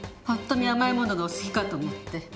パッと見甘いものがお好きかと思って。